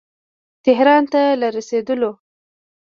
تهران ته له رسېدلو.